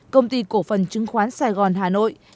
công ty cổ phần chứng khoán sài gòn hà nội